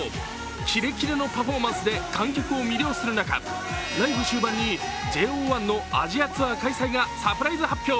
キレキレのパフォーマンスで観客を魅了する中、ライブ終盤にＪＯ１のアジアツアー開催がサプライズ発表。